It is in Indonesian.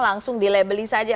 langsung dilabel saja